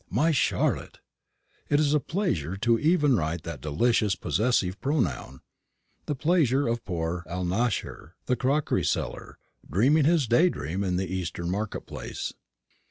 My Charlotte! It is a pleasure even to write that delicious possessive pronoun the pleasure of poor Alnascher, the crockery seller, dreaming his day dream in the eastern market place.